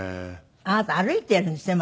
あなた歩いてるんですって？